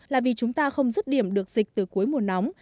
là vì chúng ta không dứt điểm được dịch từ cuối mùa nóng